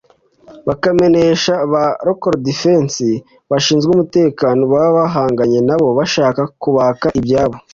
bakamenesha ba lokodifensi bashinzwe umutekano baba bahanganye na bo bashaka kubaka ibyabo